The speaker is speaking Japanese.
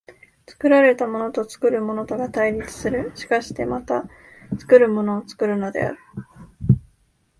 作られたものと作るものとが対立する、しかしてまた作るものを作るのである。